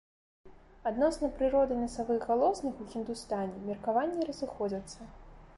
Адносна прыроды насавых галосных у хіндустані меркаванні разыходзяцца.